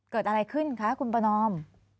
เกิดอะไรขึ้นคะคุณประนอม